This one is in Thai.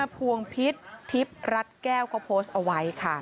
พวงพิชทิพย์รัดแก้วกะโพสต์เอาไว้